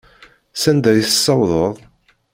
Sanda i tessawḍeḍ?